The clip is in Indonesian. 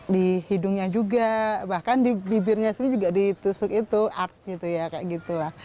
di hidungnya juga bahkan di bibirnya juga ditusuk itu art